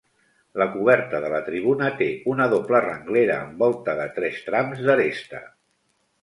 La coberta de la tribuna té una doble renglera amb volta de tres trams d'aresta.